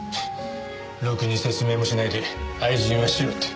ろくに説明もしないで愛人はシロって。